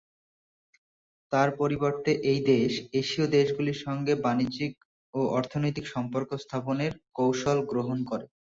তার পরিবর্তে এই দেশ এশীয় দেশগুলির সঙ্গে ঘনিষ্ঠ বাণিজ্যিক ও অর্থনৈতিক সম্পর্ক স্থাপনের কৌশল গ্রহণ করে।